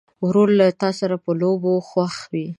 ورور له تا سره په لوبو خوښ وي.